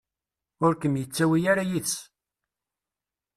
Ur kem-yettawi ara yid-s